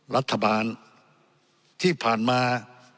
รัฐบาลที่ผ่านมา